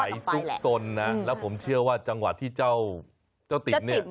นี่สายซุกซนนะแล้วผมเชื่อว่าจังหวะที่เจ้าติด